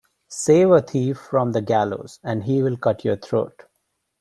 Save a thief from the gallows and he will cut your throat.